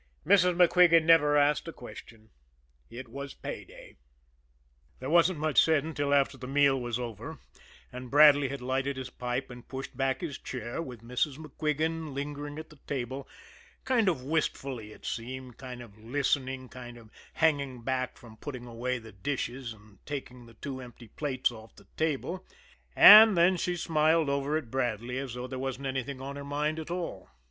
Mrs. MacQuigan never asked a question it was pay day. There wasn't much said until after the meal was over, and Bradley had lighted his pipe and pushed back his chair; with Mrs. MacQuigan lingering at the table, kind of wistfully it seemed, kind of listening, kind of hanging back from putting away the dishes and taking the two empty plates off the table and then she smiled over at Bradley as though there wasn't anything on her mind at all.